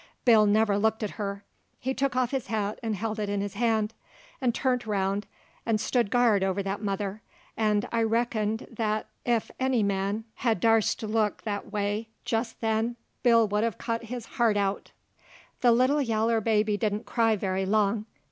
Bill never looked at her; he took off his hat and held it in his hand, 'nd turnt around 'nd stood guard over that mother, 'nd I reckon that ef any man bed darst to look that way jist then Bill would 've cut his heart out. The little yaller baby didn't cry very long.